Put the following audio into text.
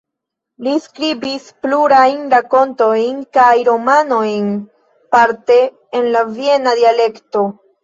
Li skribis plurajn rakontojn kaj romanojn, parte en la viena dialekto.